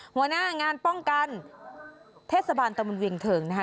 หัวหน้างานป้องกันเทศบาลตะมนต์เวียงเทิงนะคะ